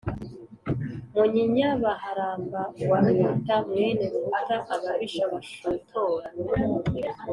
munyinya baharamba wa ruhuta: mwene ruhuta ababisha bashotora